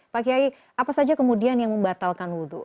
pak kiai apa saja kemudian yang membatalkan wudhu